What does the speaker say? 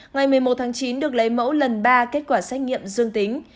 ngày một mươi một tháng chín được lấy mẫu lần ba kết quả xét nghiệm dương tính